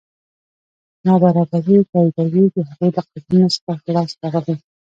نابرابري تاییدوي د هغوی له قبرونو څخه لاسته راغلي.